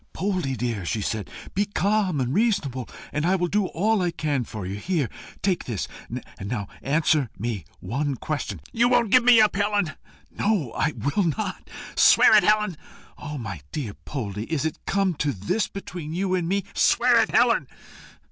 "Poldie, dear," she said, "be calm and reasonable, and I will do all I can for you. Here, take this. And now, answer me one question" "You won't give me up, Helen?" "No. I will not." "Swear it, Helen." "Ah, my poor Poldie! is it come to this between you and me?" "Swear it, Helen."